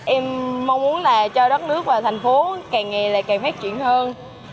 em mong muốn là cho đất nước và thành phố càng ngày lại càng phát triển hơn